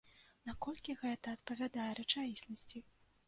Наколькі гэта адпавядае рэчаіснасці?